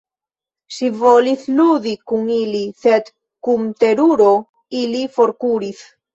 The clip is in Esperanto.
Ŝi volis ludi kun ili, sed kun teruro ili forkuris.